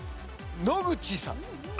野口さん。